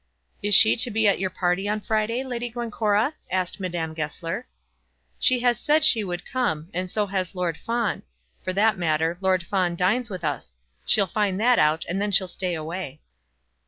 "Is she to be at your party on Friday, Lady Glencora?" asked Madame Goesler. "She has said she would come, and so has Lord Fawn; for that matter, Lord Fawn dines with us. She'll find that out, and then she'll stay away."